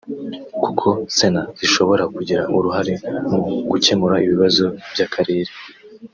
kuko Sena zishobora kugira uruhare mu gukemura ibibazo by’Akarere